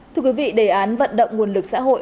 thưa quý vị đề án vận động nguồn lực xã hội